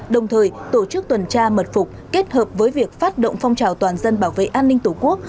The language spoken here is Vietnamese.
đồng thời tổ chức tuần tra mật phục kết hợp với việc phát động phong trào toàn dân bảo vệ an ninh tổ quốc